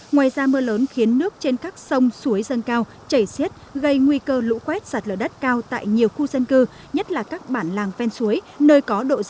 ngoài ra mưa lớn khiến nước trên các sông suối dân cao chảy xiết gây nguy cơ lũ quét sạt lở đất cao tại nhiều khu dân cư nhất là các bản làng ven suối